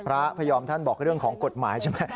พระพยอมท่านบอกเรื่องของกฎหมายใช่ไหม